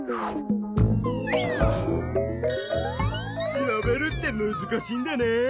調べるってむずかしいんだな。